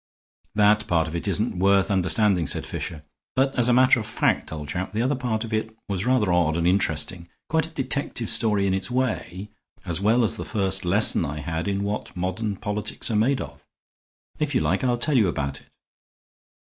"That part of it isn't worth understanding," said Fisher. "But as a matter of fact, old chap, the other part of it was rather odd and interesting. Quite a detective story in its way, as well as the first lesson I had in what modern politics are made of. If you like, I'll tell you all about it."